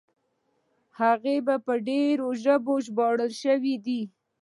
هغه یې په ډېرو ژبو ژباړل شوي دي.